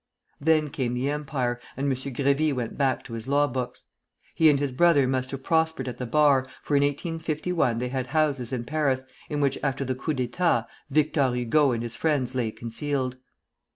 Then came the Empire, and M. Grévy went back to his law books. He and his brother must have prospered at the Bar, for in 1851 they had houses in Paris, in which after the coup d'état Victor Hugo and his friends lay concealed.